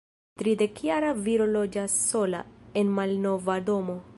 Tridekjara viro loĝas sola, en malnova domo.